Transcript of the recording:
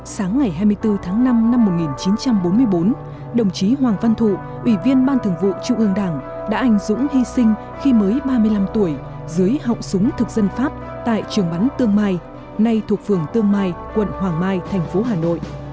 sáng ngày hai mươi bốn tháng năm năm một nghìn chín trăm bốn mươi bốn đồng chí hoàng văn thụ ủy viên ban thường vụ trung ương đảng đã ảnh dũng hy sinh khi mới ba mươi năm tuổi dưới hậu súng thực dân pháp tại trường bắn tương mai nay thuộc phường tương mai quận hoàng mai thành phố hà nội